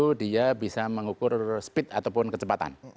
jadi dia bisa mengukur speed ataupun kecepatan